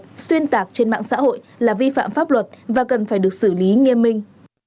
nguyên tạc trên mạng xã hội là vi phạm pháp luật và cần phải được xử lý nghiêm minh